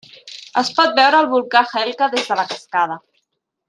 Es pot veure el volcà Hekla des de la cascada.